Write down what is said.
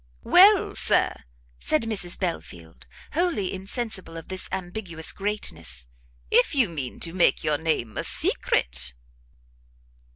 "Well, Sir," said Mrs Belfield, wholly insensible of this ambiguous greatness, "if you mean to make your name a secret."